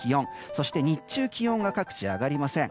そして、日中は気温が各地上がりません。